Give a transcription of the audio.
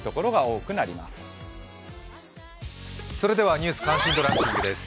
「ニュース関心度ランキング」です。